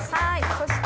そして。